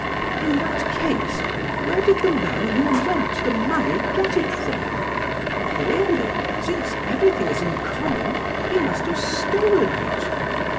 In that case, where did the man who lent the money get it from? Clearly, since everything is in common, he must have stolen it!